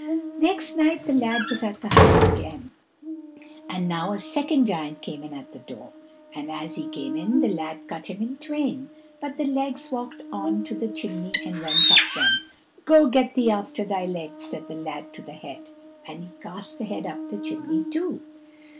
Next night the lad was at the house again, and now a second giant came in at the door, and as he came in the lad cut him in twain, but the legs walked on to the chimney and went up them. "Go, get thee after thy legs," said the lad to the head, and he cast the head up the chimney too.